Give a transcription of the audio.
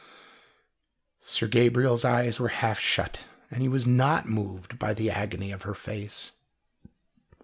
Sir Gabriel's eyes were half shut, and he was not moved by the agony of her face.